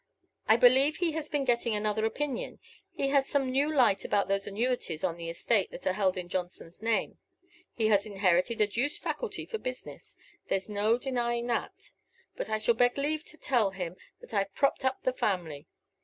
"I believe he has been getting another opinion; he has some new light about those annuities on the estate that are held in Johnson's name. He has inherited a deuced faculty for business there's no denying that. But I shall beg leave to tell him that I've propped up the family.